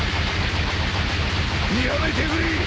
やめてくれ！